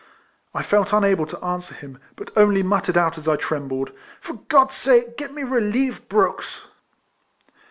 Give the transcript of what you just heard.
I felt unable to answer him, but only muttered out as I trembled, " For God's sake get me relieved, Brooks